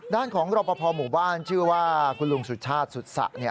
ด้านของรอปภหมู่บ้านชื่อว่าคุณลุงสุชาติสุษะ